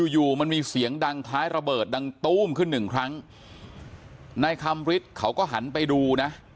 อยู่มันมีเสียงดังคล้ายระเบิดดังตู้มขึ้นหนึ่งครั้งนายคำฤทธิ์เขาก็หันไปดูนะ